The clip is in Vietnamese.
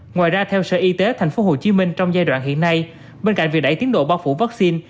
ngoài ra theo sở y tế tp hcm trong giai đoạn hiện nay bên cạnh việc đẩy tiến độ bao phủ vaccine